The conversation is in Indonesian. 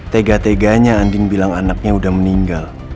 tega teganya andin bilang anaknya udah meninggal